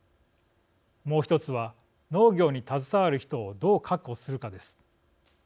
もう１つは、農業に携わる人をどう確保するかです。